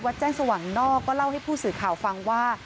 แจ้งสว่างนอกก็เล่าให้ผู้สื่อข่าวฟังว่า